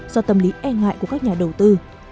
do tâm lý e ngại của các nhà đầu tư